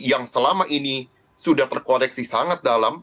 yang selama ini sudah terkoreksi sangat dalam